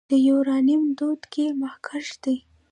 د یورانیم تولید کې مخکښ دی.